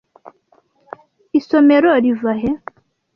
Isomero riva he?